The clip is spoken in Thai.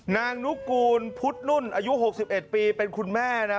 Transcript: นางนุกูลพุทธนุ่นอายุ๖๑ปีเป็นคุณแม่นะ